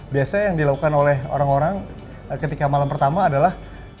biasanya yang dilakukan oleh orang orang ketika malam pertama adalah